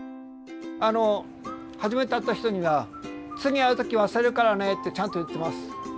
あの初めて会った人には「次会う時忘れるからね」ってちゃんと言ってます。